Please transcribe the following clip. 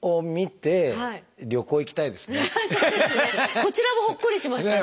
こちらもほっこりしましたね。